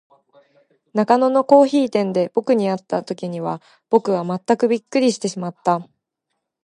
中野のコオヒイ店で、ぼくに会った時には、ぼくはまったくびっくりしてしまった。